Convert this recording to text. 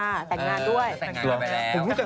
หรือว่าเชลยาแต่งงานด้วย